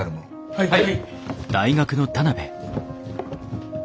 はい！